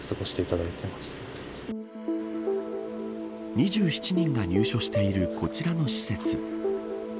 ２７人が入所しているこちらの施設。